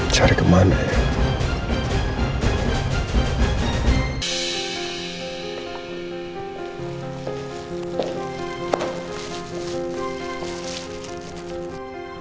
cari kemana ya